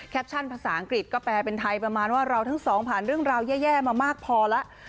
ภาษาอังกฤษก็แปลเป็นไทยประมาณว่าเราทั้งสองผ่านเรื่องราวแย่มามากพอแล้ว